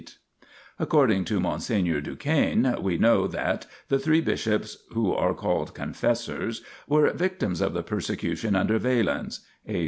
1 According to Mon seigneur Duchesne, "we know that" the three bishops who are called confessors " were victims of the per secution under Valens " (A.